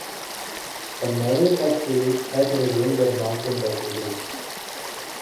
The "Mario Kart" series has had a range of merchandise released.